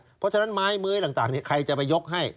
เพราะฉะนั้นไม้มื้อต่างใครจะไปยกให้